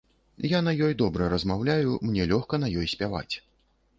Я на ёй добра размаўляю, мне лёгка на ёй спяваць.